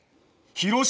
広島。